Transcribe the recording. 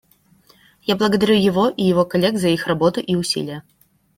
Я благодарю его и его коллег за их работу и усилия.